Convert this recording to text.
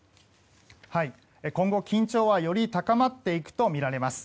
今後、緊張はより高まっていくとみられています。